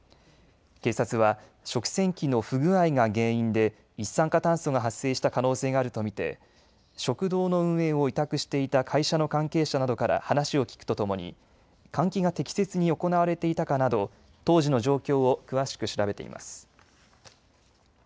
警察は食洗機の不具合が原因で一酸化炭素が発生した可能性があると見て食堂の運営を委託していた会社の関係者などから話を聞くとともに換気が適切に行われていたかなど当時の状況を詳しく調べています。